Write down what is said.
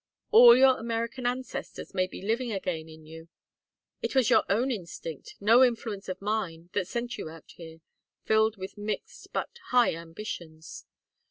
All your American ancestors may be living again in you. It was your own instinct, no influence of mine, that sent you out here, filled with mixed but high ambitions.